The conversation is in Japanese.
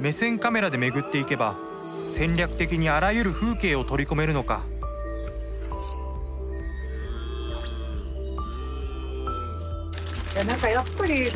目線カメラで巡っていけば戦略的にあらゆる風景を取り込めるのかいや何かやっぱりあ